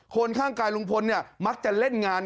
คนข้างกายลุงพลเนี่ยมักจะเล่นงาน